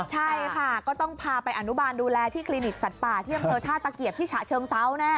ใช่ค่ะก็ต้องพาไปอนุบาลดูแลที่คลินิกสัตว์ป่าที่อำเภอท่าตะเกียบที่ฉะเชิงเซาแน่